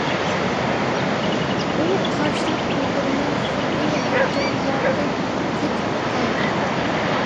ئۇ قارشىلىق بىلدۈرمەي، خۇددى ھەيكەللەردەك قېتىپلا قالدى.